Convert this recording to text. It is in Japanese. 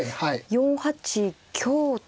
４八香と。